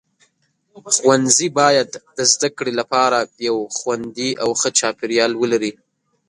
ښوونځي باید د زده کړې لپاره یو خوندي او ښه چاپیریال ولري.